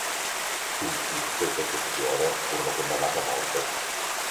Tutti, senza eccezione, furono condannati a morte.